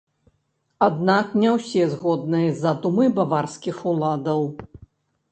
Аднак не ўсе згодныя з задумай баварскіх уладаў.